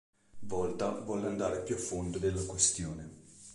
Volta volle andare più a fondo della questione.